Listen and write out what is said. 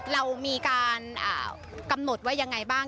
เรามีการกำหนดว่ายังไงบ้าง